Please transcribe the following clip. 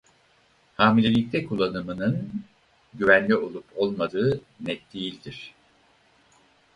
Hamilelikte kullanımının güvenli olup olmadığı net değildir.